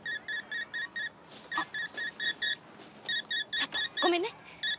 ちょっとごめんね！